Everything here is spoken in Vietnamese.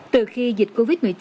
từ khi dịch covid một mươi chín